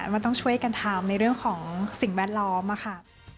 มันต้องช่วยกันทำในเรื่องของสิ่งแวดล้อมค่ะ